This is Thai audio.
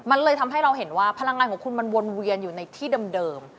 มันเลยทำให้เราเห็นว่าพลังงานของคุณมันวนเวียนอยู่ในที่เดิม